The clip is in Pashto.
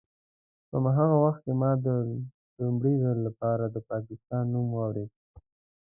په هماغه وخت کې ما د لومړي ځل لپاره د پاکستان نوم واورېد.